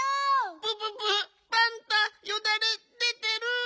プププパンタよだれ出てる！